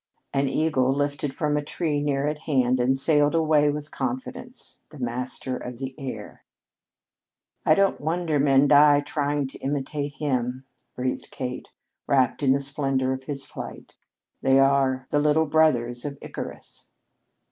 An eagle lifted from a tree near at hand and sailed away with confidence, the master of the air. "I don't wonder men die trying to imitate him," breathed Kate, wrapt in the splendor of his flight. "They are the little brothers of Icarus."